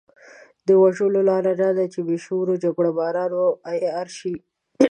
د وژلو لاره دا ده چې بې شعوره جګړه ماران عيار شي.